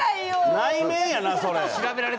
内面やなそれ。